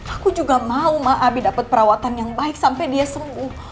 aku juga mau ma abi dapat perawatan yang baik sampai dia sembuh